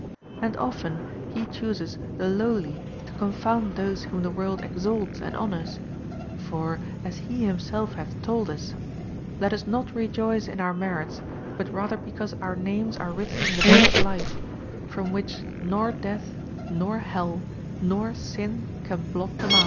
And often He chooses the lowly to confound those whom the world exalts and honours; for, as He Himself hath told us, 'Let us not rejoice in our merits, but rather because our names are written in the Book of Life, from which nor death, nor hell, nor sin can blot them out.